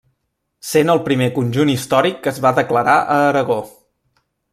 Sent el primer conjunt històric que es va declarar a Aragó.